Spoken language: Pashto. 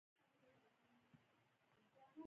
د زده کړې لګښتونه د بانک له لارې ورکول کیږي.